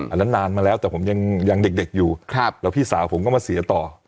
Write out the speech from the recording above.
อันนั้นนานมาแล้วแต่ผมยังเด็กอยู่แล้วพี่สาวผมก็มาเสียต่อ